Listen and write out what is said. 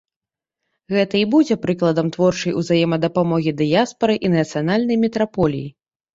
Гэта і будзе прыкладам творчай узаемадапамогі дыяспары і нацыянальнай метраполіі.